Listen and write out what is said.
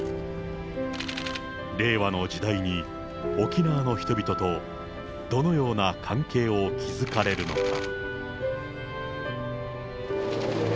令和の時代に沖縄の人々とどのような関係を築かれるのか。